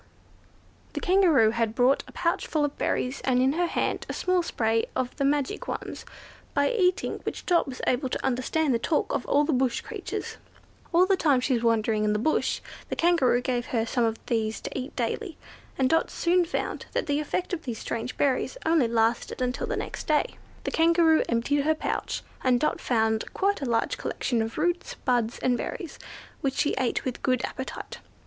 The Kangaroo had brought a pouch full of berries, and in her hand a small spray of the magic ones, by eating which Dot was able to understand the talk of all the bush creatures. All the time she was wandering in the bush the Kangaroo gave her some of these to eat daily, and Dot soon found that the effect of these strange berries only lasted until the next day. The Kangaroo emptied out her pouch, and Dot found quite a large collection of roots, buds, and berries, which she ate with good appetite.